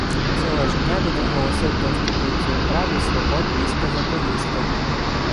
Цього ж дня він оголосив «Конституцію прав і свобод війська Запорізького»